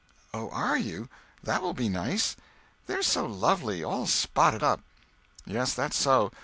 "Oh, are you! That will be nice. They're so lovely, all spotted up." "Yes, that's so.